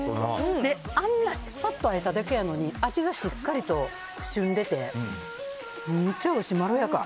あんなさっと焼いただけやのに味がしっかりとしゅんでてめちゃまろやか。